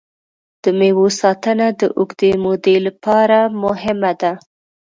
د مېوو ساتنه د اوږدې مودې لپاره مهمه ده.